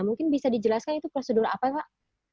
mungkin bisa dijelaskan itu prosedur apa pak